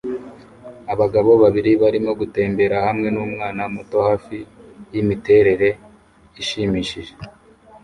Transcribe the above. Abagabo babiri barimo gutembera hamwe numwana muto hafi yimiterere ishimishije